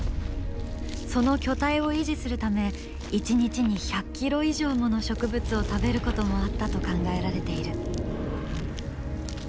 その巨体を維持するため一日に１００ｋｇ以上もの植物を食べることもあったと考えられている。